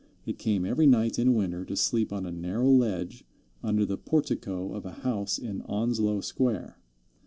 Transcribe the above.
It came every night in winter to sleep on a narrow ledge under the portico of a house in Onslow Square.